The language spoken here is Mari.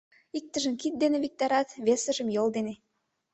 Иктыжым кид дене виктарат, весыжым — йол дене.